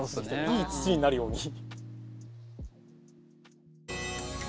いい土になるように。